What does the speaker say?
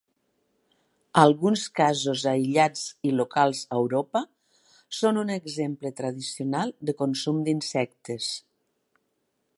Alguns casos aïllats i locals a Europa són un exemple tradicional de consum d'insectes.